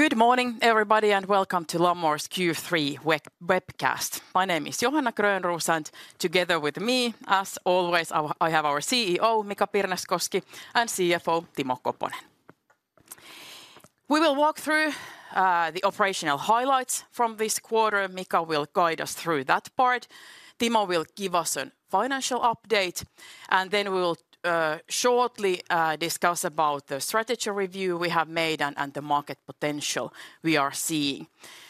Good morning, everybody, and welcome to Lamor's Q3 webcast. My name is Johanna Grönroos, and together with me, as always, I have our CEO, Mika Pirneskoski, and CFO, Timo Koponen. We will walk through the operational highlights from this quarter. Mika will guide us through that part. Timo will give us a financial update, and then we will shortly discuss about the strategy review we have made and the market potential we are seeing.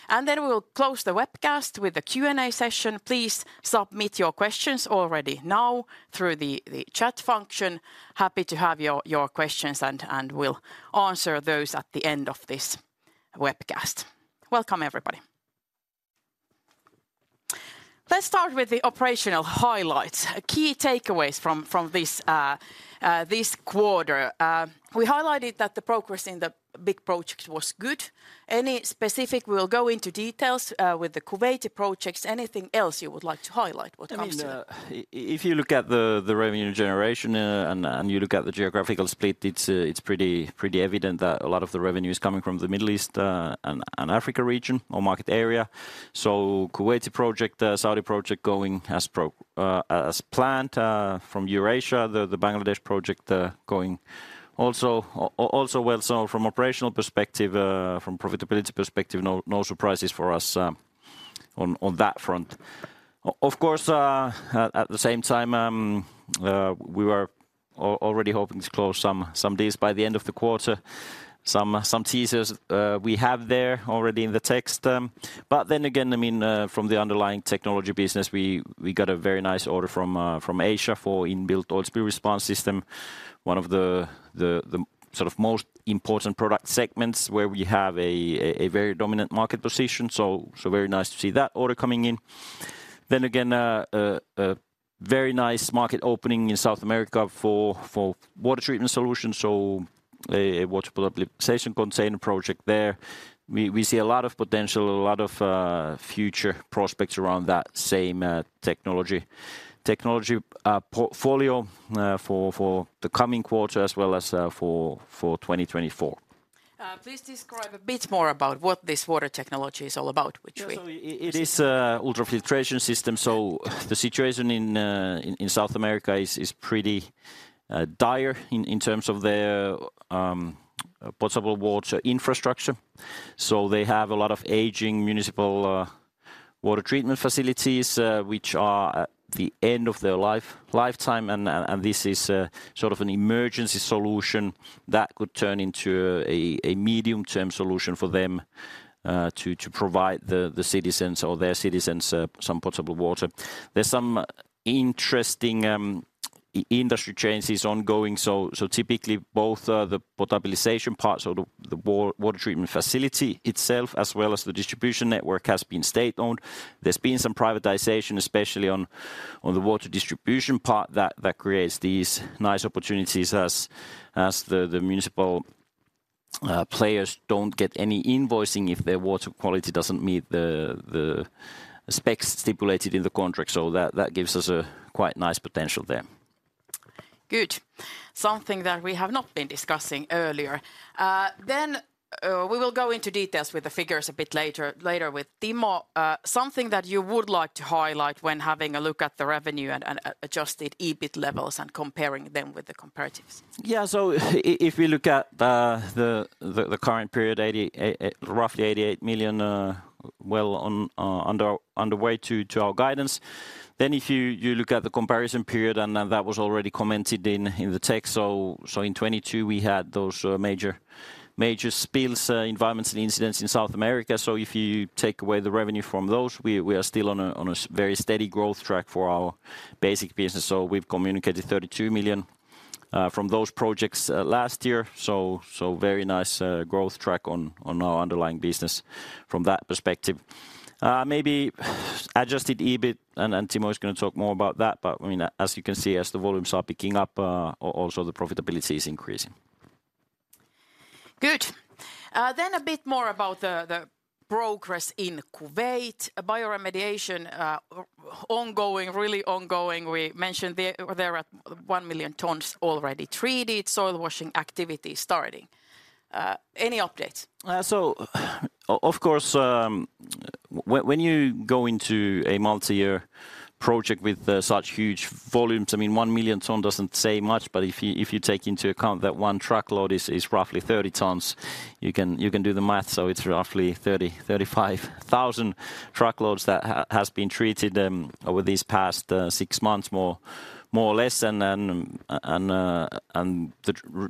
And then we will close the webcast with a Q&A session. Please submit your questions already now through the chat function. Happy to have your questions, and we'll answer those at the end of this webcast. Welcome, everybody. Let's start with the operational highlights, key takeaways from this quarter. We highlighted that the progress in the big projects was good. Any specific... We'll go into details with the Kuwaiti projects. Anything else you would like to highlight what comes to the- I mean, if you look at the revenue generation, and you look at the geographical split, it's pretty evident that a lot of the revenue is coming from the Middle East, and Africa region or market area. So Kuwaiti project, Saudi project going as planned, from Eurasia, the Bangladesh project, going also well. So from operational perspective, from profitability perspective, no surprises for us, on that front. Of course, at the same time, we were already hoping to close some deals by the end of the quarter. Some teasers, we have there already in the text, but then again, I mean, from the underlying technology business, we got a very nice order from Asia for Inbuilt Oil Spill Response System. One of the sort of most important product segments where we have a very dominant market position, so very nice to see that order coming in. Then again, a very nice market opening in South America for water treatment solutions, so a Water Potabilization Container project there. We see a lot of potential, a lot of future prospects around that same technology portfolio for the coming quarter, as well as for 2024. Please describe a bit more about what this water technology is all about, which we- Yeah, so it is ultrafiltration system, so the situation in South America is pretty dire in terms of their potable water infrastructure. So they have a lot of aging municipal water treatment facilities, which are at the end of their lifetime, and this is sort of an emergency solution that could turn into a medium-term solution for them to provide the citizens or their citizens some potable water. There's some interesting industry changes ongoing, so typically both the potabilization parts or the water treatment facility itself, as well as the distribution network, has been state-owned. There's been some privatization, especially on the water distribution part, that creates these nice opportunities as the municipal players don't get any invoicing if their water quality doesn't meet the specs stipulated in the contract, so that gives us a quite nice potential there. Good. Something that we have not been discussing earlier. Then, we will go into details with the figures a bit later with Timo. Something that you would like to highlight when having a look at the revenue and adjusted EBITDA levels and comparing them with the comparatives? Yeah, so if we look at the current period, roughly 88 million, well, on underway to our guidance. Then if you look at the comparison period, and then that was already commented in the uncertain, so in 2022 we had those major spills, environmental incidents in South America. So if you take away the revenue from those, we are still on a very steady growth track for our basic business. So we've communicated 32 million from those projects last year, so very nice growth track on our underlying business from that perspective. Maybe Adjusted EBITDAf, and Timo is gonna talk more about that, but I mean, as you can see, as the volumes are picking up, also the profitability is increasing. Good. Then a bit more about the progress in Kuwait. Bioremediation ongoing, really ongoing. We mentioned there are 1 million tons already treated, soil washing activity starting. Any updates? Of course, when you go into a multi-year project with such huge volumes, I mean, 1 million ton doesn't say much, but if you take into account that one truckload is roughly 30 tons, you can do the math, so it's roughly 30-35,000 truckloads that has been treated over these past six months, more or less. The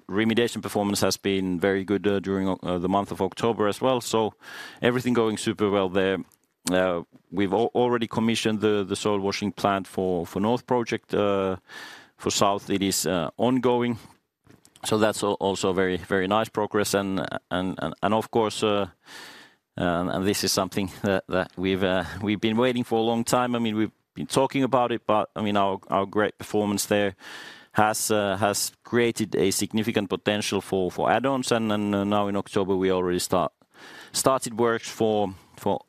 remediation performance has been very good during the month of October as well, so everything going super well there. We've already commissioned the soil washing plant for North project. For South, it is ongoing, so that's also very nice progress. Of course, this is something that we've been waiting for a long time. I mean, we've been talking about it, but, I mean, our great performance there has created a significant potential for add-ons. And then, now in October, we already started works for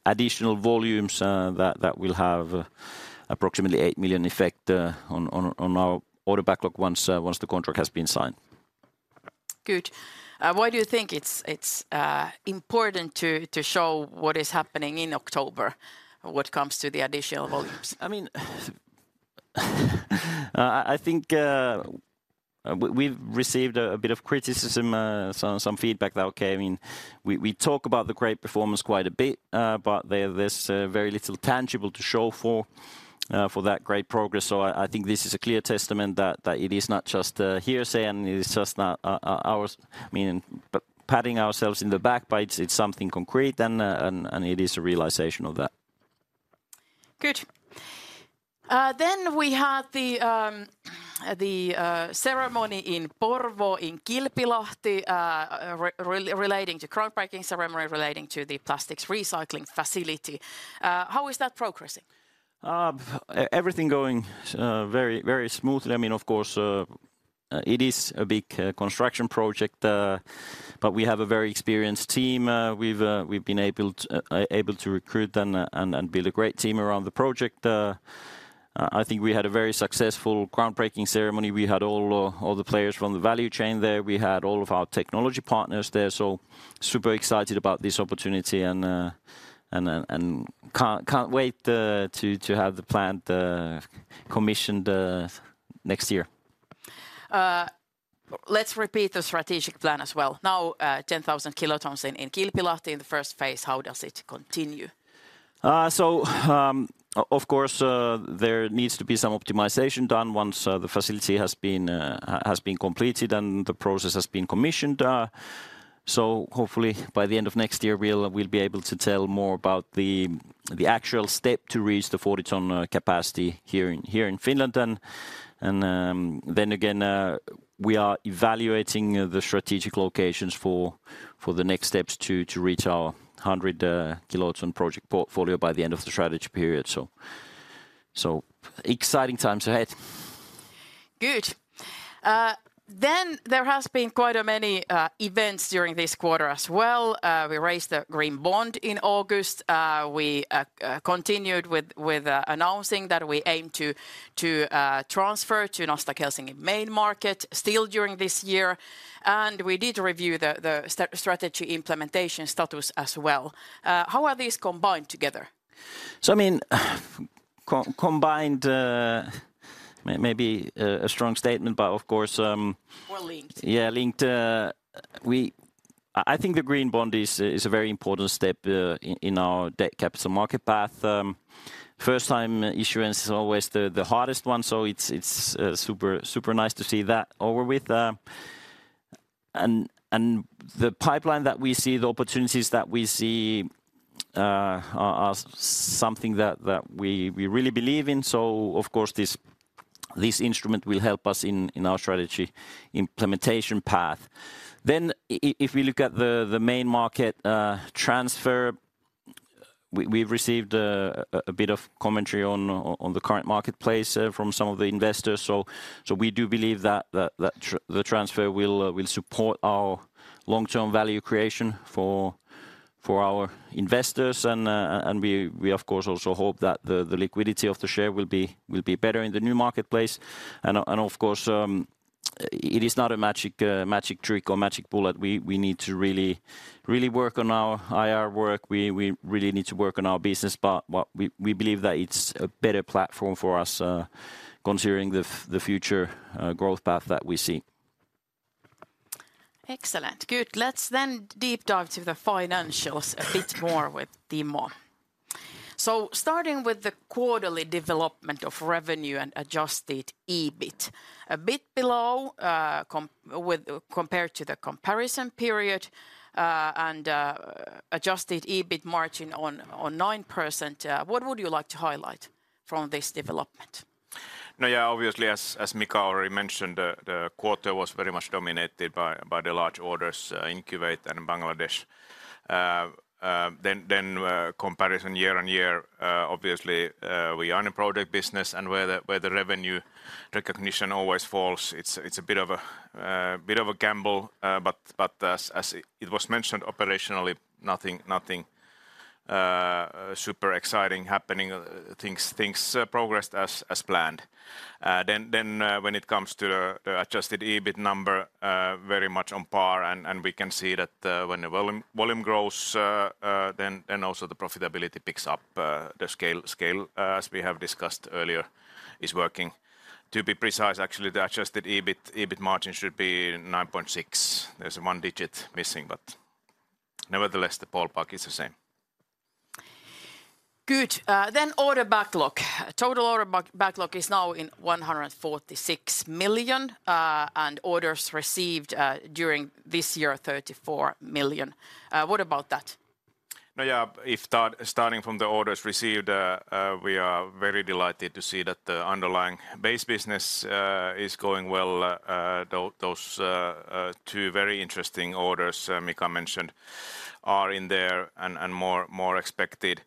additional volumes that will have approximately 8 million effect on our order backlog once the contract has been signed.... Good. Why do you think it's important to show what is happening in October, what comes to the additional volumes? I mean, I think we've received a bit of criticism, some feedback that, okay, I mean, we talk about the great performance quite a bit, but there's very little tangible to show for that great progress. So I think this is a clear testament that it is not just hearsay, and it is just not ours... I mean, but patting ourselves in the back, but it's something concrete, and it is a realization of that. Good. Then we had the ceremony in Porvoo, in Kilpilahti, relating to groundbreaking ceremony relating to the plastics recycling facility. How is that progressing? Everything going very, very smoothly. I mean, of course, it is a big construction project, but we have a very experienced team. We've been able to recruit and build a great team around the project. I think we had a very successful groundbreaking ceremony. We had all the players from the value chain there. We had all of our technology partners there, so super excited about this opportunity, and can't wait to have the plant commissioned next year. Let's repeat the strategic plan as well. Now, 10,000 kilotons in, in Kilpilahti in the first phase, how does it continue? So, of course, there needs to be some optimization done once the facility has been completed and the process has been commissioned. So hopefully by the end of next year, we'll be able to tell more about the actual step to reach the 40-ton capacity here in Finland. Then again, we are evaluating the strategic locations for the next steps to reach our 100-kiloton project portfolio by the end of the strategy period. So exciting times ahead. Good. Then there has been quite a many events during this quarter as well. We raised the green bond in August. We continued with announcing that we aim to transfer to Nasdaq Helsinki main market still during this year. And we did review the strategy implementation status as well. How are these combined together? I mean, combined may be a strong statement, but of course, Or linked. Yeah, linked. I think the green bond is a very important step in our debt capital market path. First time issuance is always the hardest one, so it's super nice to see that over with. And the pipeline that we see, the opportunities that we see are something that we really believe in, so of course, this instrument will help us in our strategy implementation path. Then if we look at the main market transfer, we've received a bit of commentary on the current marketplace from some of the investors. So we do believe that the transfer will support our long-term value creation for our investors. And we, of course, also hope that the liquidity of the share will be better in the new marketplace. And, of course, it is not a magic trick or magic bullet. We need to really, really work on our IR work. We really need to work on our business, but we believe that it's a better platform for us, considering the future growth path that we see. Excellent. Good. Let's then deep dive to the financials a bit more with Timo. So starting with the quarterly development of revenue and Adjusted EBITDA, a bit below compared to the comparison period, and Adjusted EBITDA margin on 9%, what would you like to highlight from this development? No, yeah, obviously, as Mika already mentioned, the quarter was very much dominated by the large orders in Kuwait and in Bangladesh. Then, comparison year on year, obviously, we are in a product business, and where the revenue recognition always falls, it's a bit of a gamble. But, as it was mentioned operationally, nothing super exciting happening. Things progressed as planned. Then, when it comes to the Adjusted EBITDA number, very much on par, and we can see that, when the volume grows, then also the profitability picks up. The scale, as we have discussed earlier, is working. To be precise, actually, the Adjusted EBITDA, EBITDA margin should be 9.6. There's one digit missing, but nevertheless, the ballpark is the same. Good. Then order backlog. Total order backlog is now 146 million, and orders received during this year, 34 million. What about that? No, yeah, starting from the orders received, we are very delighted to see that the underlying base business is going well. Those two very interesting orders Mika mentioned are in there and more expected,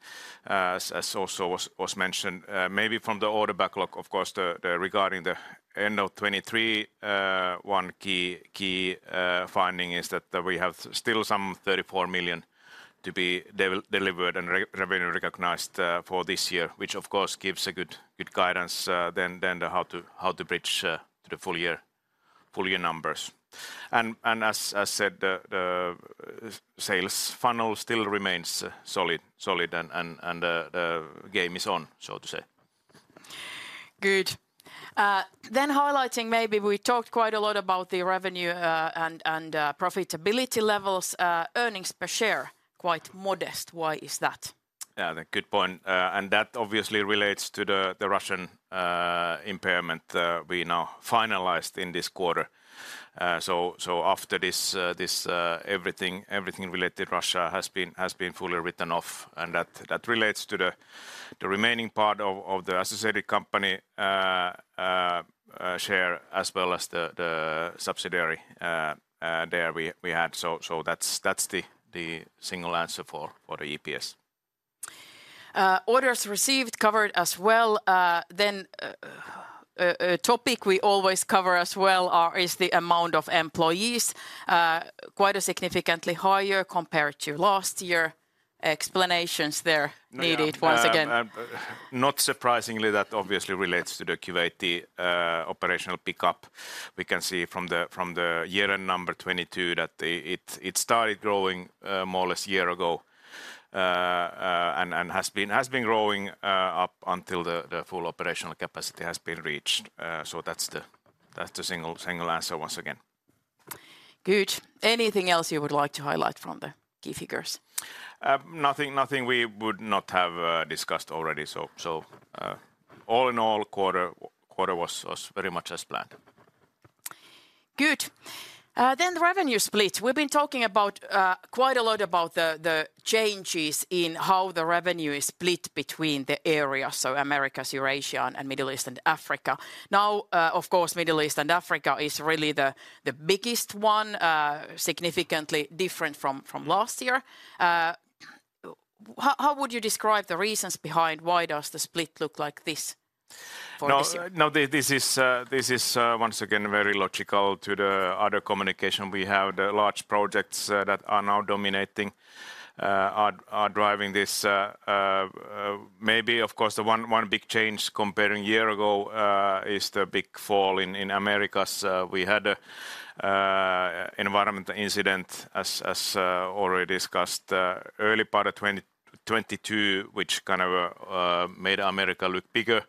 as also was mentioned. Maybe from the order backlog, of course, regarding the end of 2023, one key finding is that we have still some 34 million to be delivered and revenue recognized for this year, which of course gives a good guidance, then how to bridge to the full year numbers. And as said, the sales funnel still remains solid and the game is on, so to say. Good. Then highlighting maybe we talked quite a lot about the revenue and profitability levels. Earnings per share, quite modest. Why is that? Yeah, a good point. And that obviously relates to the Russian impairment we now finalized in this quarter. So after this, everything related Russia has been fully written off, and that relates to the remaining part of the associated company share, as well as the subsidiary there we had. So that's the single answer for the EPS. Orders received covered as well. Then, a topic we always cover as well is the amount of employees. Quite a significantly higher compared to last year. Explanations there- Yeah... needed once again. Not surprisingly, that obviously relates to the Kuwaiti operational pickup. We can see from the year-end number 2022, that it started growing more or less a year ago, and has been growing up until the full operational capacity has been reached. So that's the single answer once again. Good. Anything else you would like to highlight from the key figures? Nothing, nothing we would not have discussed already. So, all in all, quarter was very much as planned. Good. Then the revenue split. We've been talking about quite a lot about the, the changes in how the revenue is split between the areas, so Americas, Eurasia, and Middle East and Africa. Now, of course, Middle East and Africa is really the, the biggest one, significantly different from last year. How would you describe the reasons behind why does the split look like this for this year? No, no, this is once again very logical to the other communication we have. The large projects that are now dominating are driving this. Maybe, of course, the one big change comparing year ago is the big fall in Americas. We had an environmental incident as already discussed early part of 2022, which kind of made America look bigger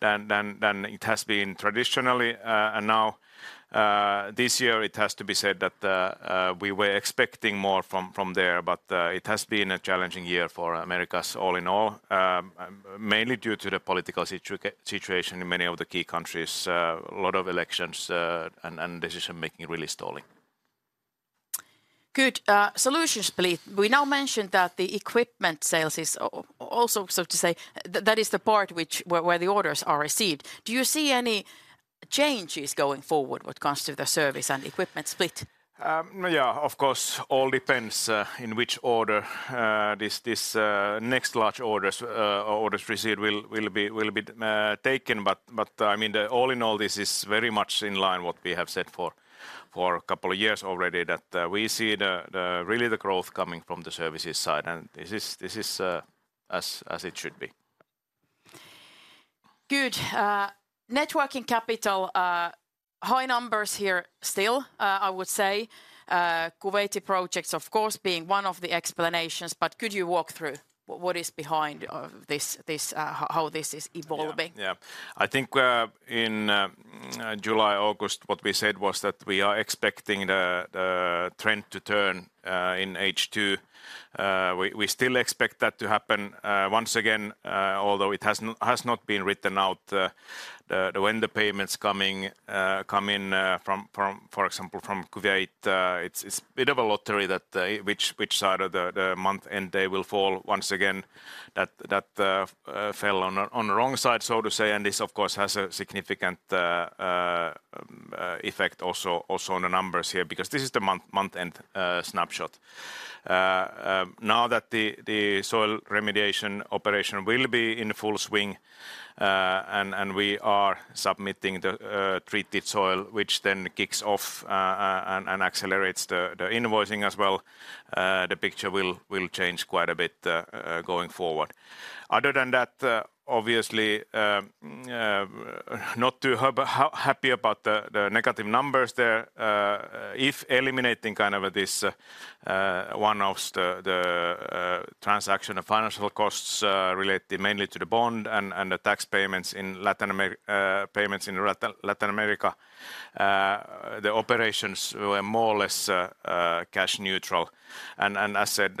than it has been traditionally. And now, this year it has to be said that we were expecting more from there, but it has been a challenging year for Americas all in all, mainly due to the political situation in many of the key countries. A lot of elections and decision-making really stalling. Good. Solutions split. We now mentioned that the equipment sales is also, so to say, that is the part where the orders are received. Do you see any changes going forward when it comes to the service and equipment split? Yeah, of course, all depends in which order this next large orders or orders received will be taken. But I mean, all in all, this is very much in line what we have said for a couple of years already, that we see really the growth coming from the services side, and this is as it should be. Good. Net working capital, high numbers here still, I would say. Kuwaiti projects, of course, being one of the explanations, but could you walk through what is behind this, this, how this is evolving? Yeah, yeah. I think in July, August, what we said was that we are expecting the trend to turn in H2. We still expect that to happen. Once again, although it has not been written out, when the payments come in from, for example, from Kuwait, it's a bit of a lottery that which side of the month end they will fall. Once again, that fell on the wrong side, so to say, and this, of course, has a significant effect also on the numbers here, because this is the month-end snapshot. Now that the soil remediation operation will be in full swing, and we are submitting the treated soil, which then kicks off and accelerates the invoicing as well, the picture will change quite a bit going forward. Other than that, obviously, not too happy about the negative numbers there. If eliminating kind of this one of the transaction and financial costs related mainly to the bond and the tax payments in Latin America, the operations were more or less cash neutral. And I said,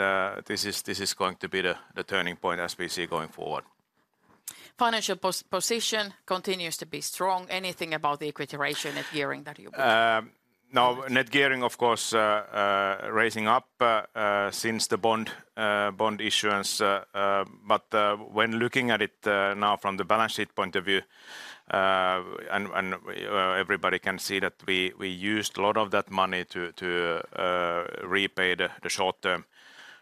this is going to be the turning point as we see going forward. Financial position continues to be strong. Anything about the equity ratio net gearing that you want- Now, net gearing, of course, raising up since the bond issuance, but when looking at it now from the balance sheet point of view, and everybody can see that we used a lot of that money to repay the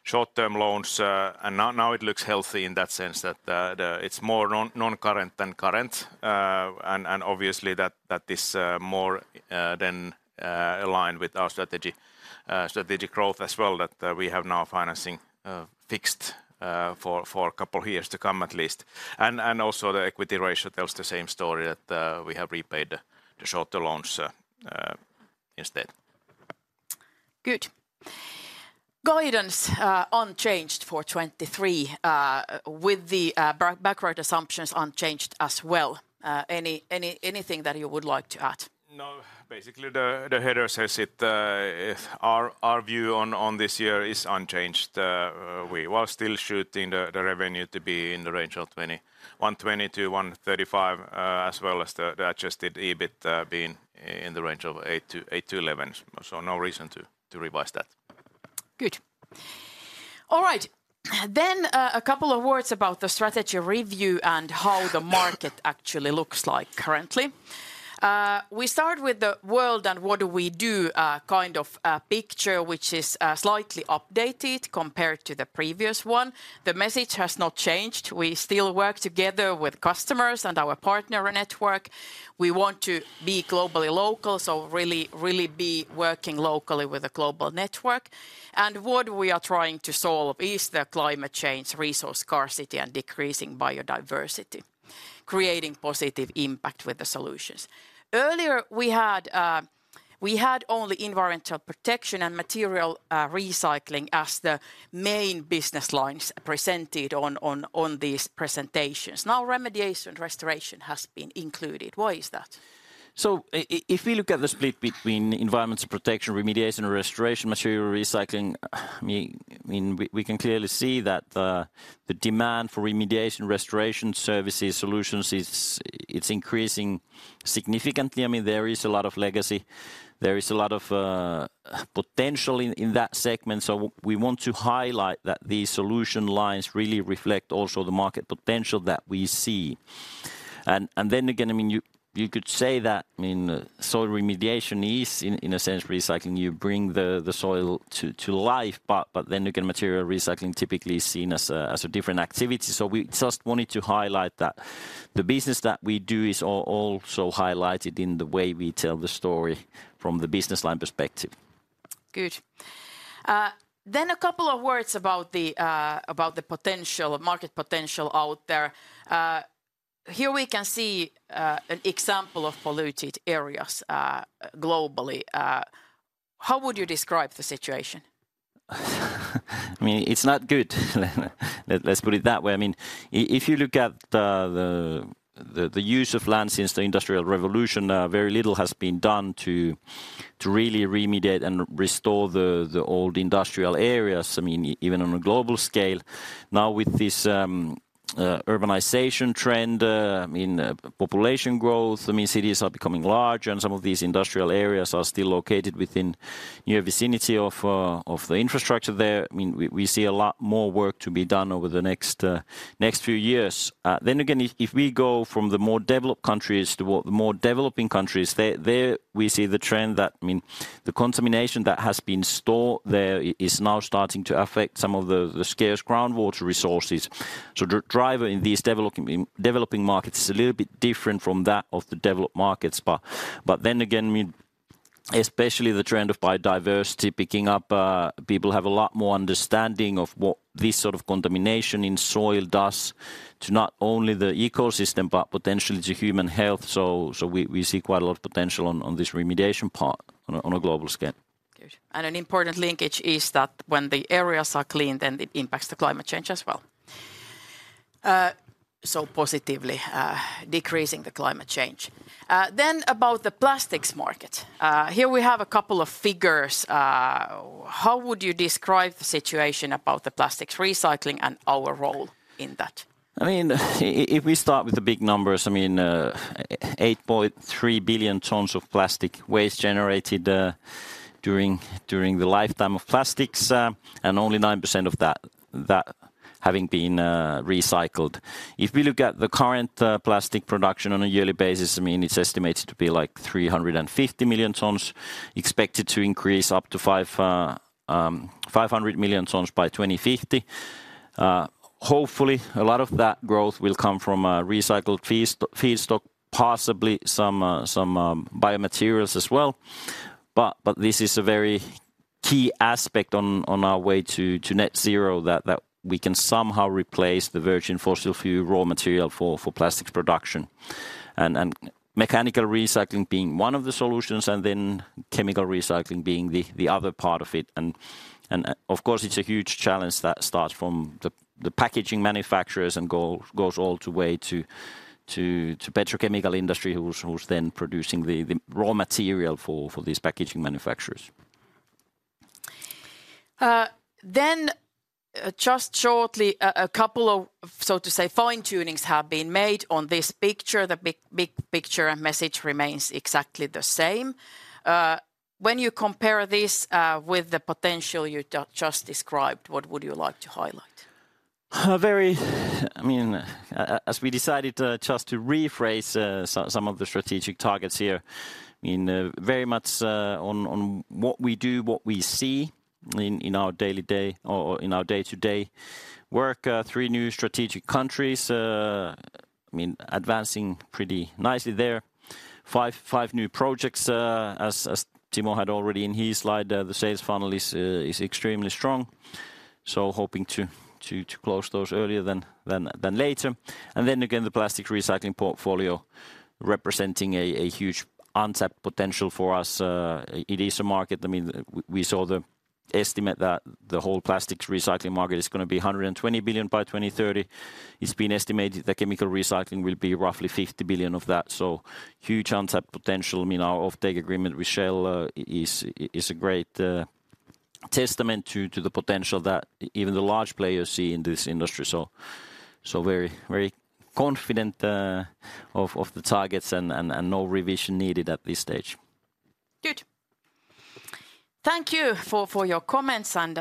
short-term loans. And now it looks healthy in that sense that it's more non-current than current. And obviously, that is more than-... aligned with our strategy, strategic growth as well, that we have now financing fixed for a couple years to come at least. And also the equity ratio tells the same story, that we have repaid the shorter loans instead. Good. Guidance unchanged for 2023, with the background assumptions unchanged as well. Anything that you would like to add? No, basically, the header says it, if our view on this year is unchanged. We while still shooting the revenue to be in the range of 120 million-135 million, as well as the adjusted EBITDA being in the range of 8 million-11 million. So no reason to revise that. Good. All right, then, a couple of words about the strategy review and how the market actually looks like currently. We start with the world and what do we do, kind of picture, which is slightly updated compared to the previous one. The message has not changed. We still work together with customers and our partner network. We want to be globally local, so really, really be working locally with a global network. And what we are trying to solve is the climate change, resource scarcity, and decreasing biodiversity, creating positive impact with the solutions. Earlier, we had only environmental protection and material recycling as the main business lines presented on these presentations. Now, remediation restoration has been included. Why is that? So if we look at the split between environmental protection, remediation and restoration, material recycling, I mean, I mean, we can clearly see that the demand for remediation restoration services solutions is... it's increasing significantly. I mean, there is a lot of legacy. There is a lot of potential in that segment, so we want to highlight that these solution lines really reflect also the market potential that we see. And then again, I mean, you could say that, I mean, soil remediation is, in a sense, recycling. You bring the soil to life, but then again, material recycling typically is seen as a different activity. So we just wanted to highlight that the business that we do is also highlighted in the way we tell the story from the business line perspective. Good. Then a couple of words about the, about the potential, market potential out there. Here we can see, an example of polluted areas, globally. How would you describe the situation? I mean, it's not good. Let's put it that way. I mean, if you look at the use of land since the Industrial Revolution, very little has been done to really remediate and restore the old industrial areas, I mean, even on a global scale. Now, with this urbanization trend, I mean, population growth, I mean, cities are becoming large, and some of these industrial areas are still located within, you know, vicinity of the infrastructure there. I mean, we see a lot more work to be done over the next few years. Then again, if we go from the more developed countries to what the more developing countries, there we see the trend that, I mean, the contamination that has been stored there is now starting to affect some of the scarce groundwater resources. So the driver in these developing, developing markets is a little bit different from that of the developed markets. But then again, I mean, especially the trend of biodiversity picking up, people have a lot more understanding of what this sort of contamination in soil does to not only the ecosystem, but potentially to human health. So we see quite a lot of potential on this remediation part on a global scale. Good. And an important linkage is that when the areas are cleaned, then it impacts the climate change as well. So positively, decreasing the climate change. Then about the plastics market, here we have a couple of figures. How would you describe the situation about the plastics recycling and our role in that? I mean, if we start with the big numbers, I mean, 8.3 billion tons of plastic waste generated during the lifetime of plastics, and only 9% of that having been recycled. If we look at the current plastic production on a yearly basis, I mean, it's estimated to be, like, 350 million tons, expected to increase up to 500 million tons by 2050. Hopefully, a lot of that growth will come from recycled feedstock, possibly some biomaterials as well. But this is a very key aspect on our way to net zero that we can somehow replace the virgin fossil fuel raw material for plastics production. And mechanical recycling being one of the solutions, and then chemical recycling being the other part of it. Of course, it's a huge challenge that starts from the packaging manufacturers and goes all the way to the petrochemical industry, who's then producing the raw material for these packaging manufacturers. Then, just shortly, a couple of, so to say, fine-tunings have been made on this picture. The big, big picture and message remains exactly the same. When you compare this with the potential you just described, what would you like to highlight? Very, I mean, as we decided, just to rephrase, some of the strategic targets here, I mean, very much on what we do, what we see in our day-to-day work, 3 new strategic countries, I mean, advancing pretty nicely there. 5 new projects, as Timo had already in his slide, the sales funnel is extremely strong, so hoping to close those earlier than later. And then again, the plastic recycling portfolio representing a huge untapped potential for us. It is a market, I mean, we saw the estimate that the whole plastics recycling market is gonna be $120 billion by 2030. It's been estimated that chemical recycling will be roughly $50 billion of that, so huge untapped potential. I mean, our offtake agreement with Shell is a great testament to the potential that even the large players see in this industry. So very confident of the targets, and no revision needed at this stage. Good. Thank you for your comments and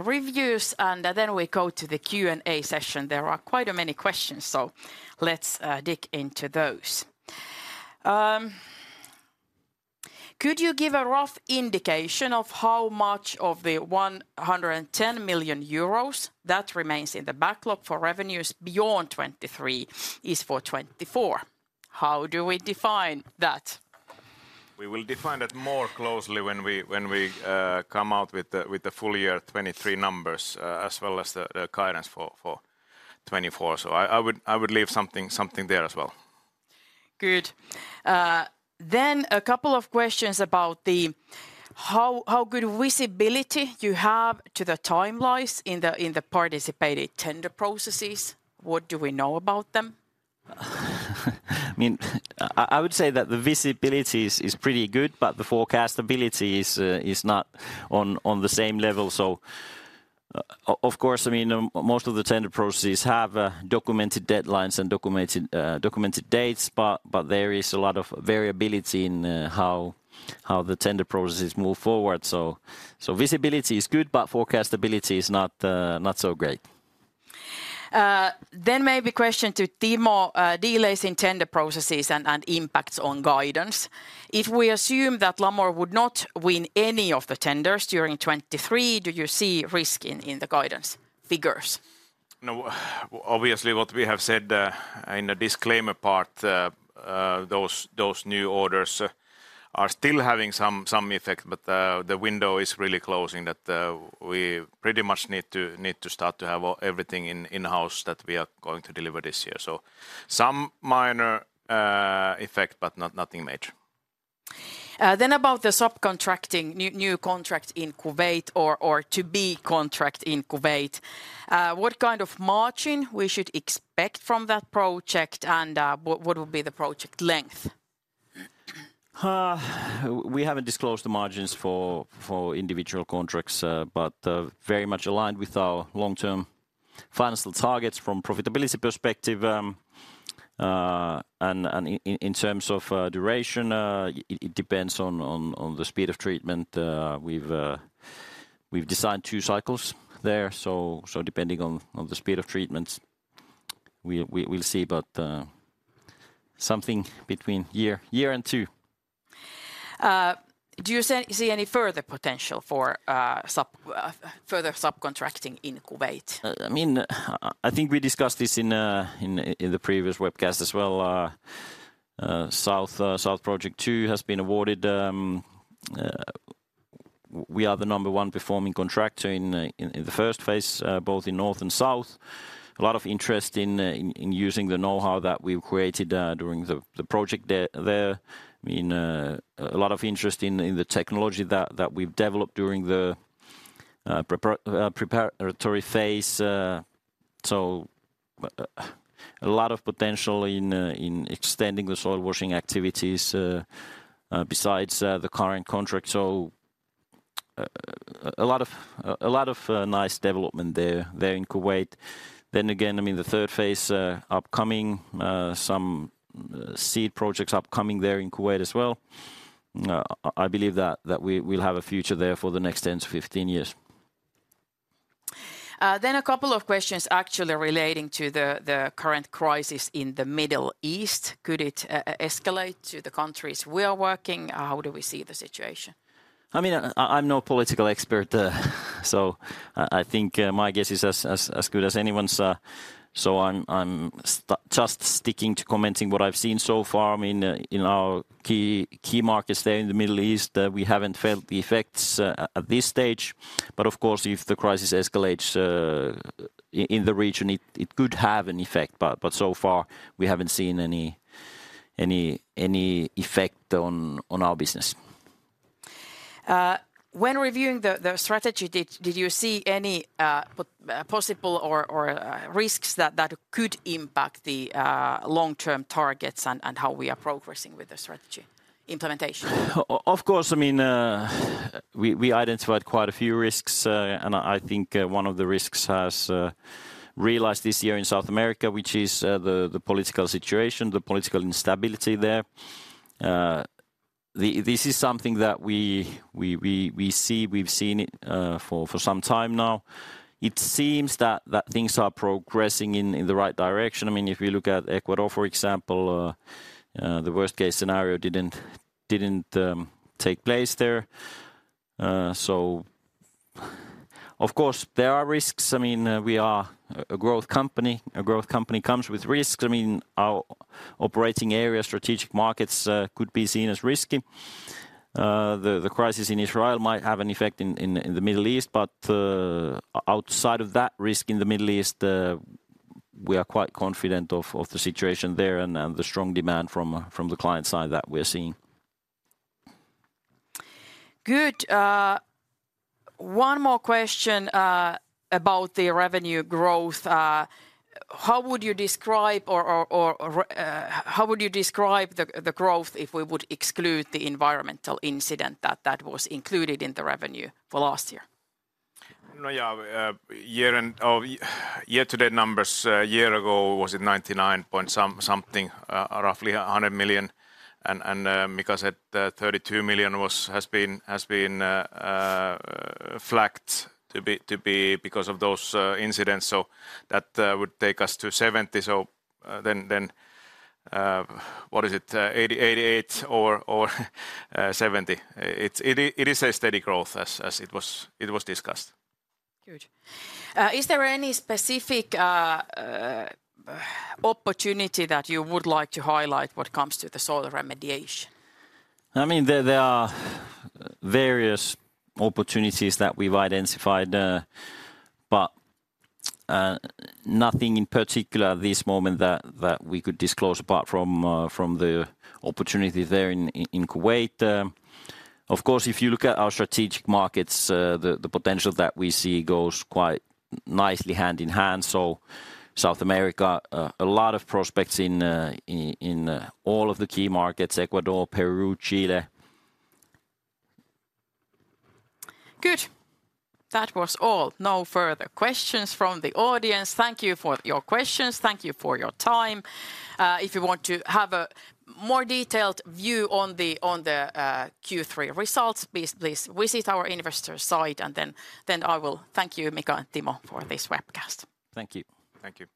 reviews, and then we go to the Q&A session. There are quite a many questions, so let's dig into those. Could you give a rough indication of how much of the 110 million euros that remains in the backlog for revenues beyond 2023 is for 2024? How do we define that? We will define that more closely when we come out with the full year 2023 numbers, as well as the guidance for 2024. So I would leave something there as well. Good. Then a couple of questions about how good visibility you have to the timelines in the participated tender processes. What do we know about them? I mean, I would say that the visibility is pretty good, but the forecastability is not on the same level. So, of course, I mean, most of the tender processes have documented deadlines and documented dates, but there is a lot of variability in how the tender processes move forward. So, visibility is good, but forecastability is not so great. Then maybe question to Timo, delays in tender processes and impacts on guidance. If we assume that Lamor would not win any of the tenders during 2023, do you see risk in the guidance figures? No, obviously, what we have said in the disclaimer part, those new orders are still having some effect, but the window is really closing, we pretty much need to start to have all everything in-house that we are going to deliver this year. So some minor effect, but nothing major. Then, about the subcontracting, new contract in Kuwait or to-be contract in Kuwait, what kind of margin we should expect from that project, and what will be the project length? We haven't disclosed the margins for individual contracts, but very much aligned with our long-term financial targets from profitability perspective. And in terms of duration, it depends on the speed of treatment. We've designed 2 cycles there, so depending on the speed of treatments, we'll see. But something between year and 2. Do you see any further potential for further subcontracting in Kuwait? I mean, I think we discussed this in the previous webcast as well. South Project 2 has been awarded. We are the number one performing contractor in the first phase, both in north and south. A lot of interest in using the know-how that we've created during the project there. I mean, a lot of interest in the technology that we've developed during the preparatory phase. So, a lot of potential in extending the soil washing activities, besides the current contract, so, a lot of nice development there in Kuwait. Then again, I mean, the third phase upcoming, some seed projects upcoming there in Kuwait as well. I believe that we will have a future there for the next 10-15 years. Then a couple of questions actually relating to the current crisis in the Middle East. Could it escalate to the countries we are working? How do we see the situation? I mean, I'm no political expert, so I think my guess is as good as anyone's. So I'm just sticking to commenting what I've seen so far. I mean, in our key markets there in the Middle East, we haven't felt the effects at this stage. But, of course, if the crisis escalates in the region, it could have an effect, but so far, we haven't seen any effect on our business. When reviewing the strategy, did you see any possible risks that could impact the long-term targets and how we are progressing with the strategy implementation? Of course, I mean, we identified quite a few risks, and I think one of the risks has realized this year in South America, which is the political situation, the political instability there. This is something that we see, we've seen it for some time now. It seems that things are progressing in the right direction. I mean, if you look at Ecuador, for example, the worst-case scenario didn't take place there. Of course, there are risks. I mean, we are a growth company. A growth company comes with risks. I mean, our operating area, strategic markets could be seen as risky. The crisis in Israel might have an effect in the Middle East, but outside of that risk in the Middle East, we are quite confident of the situation there and the strong demand from the client side that we're seeing. Good. One more question about the revenue growth. How would you describe the growth if we would exclude the environmental incident that was included in the revenue for last year? No, yeah, year-end or year-to-date numbers, a year ago was at 99 point something, roughly 100 million, and because at 32 million has been flagged to be because of those incidents, so that would take us to 70 million. So, then, what is it? 80-88 or 70. It is a steady growth as it was discussed. Good. Is there any specific opportunity that you would like to highlight when it comes to the soil remediation? I mean, there are various opportunities that we've identified, but nothing in particular at this moment that we could disclose apart from the opportunity there in Kuwait. Of course, if you look at our strategic markets, the potential that we see goes quite nicely hand-in-hand, so South America, a lot of prospects in all of the key markets, Ecuador, Peru, Chile. Good. That was all, no further questions from the audience. Thank you for your questions. Thank you for your time. If you want to have a more detailed view on the Q3 results, please visit our investor site, and then I will thank you, Mika and Timo, for this webcast. Thank you. Thank you.